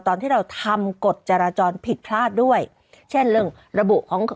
ตอนที่เราทำกฎจราจรผิดพลาดด้วยเช่นเรื่องระบุของ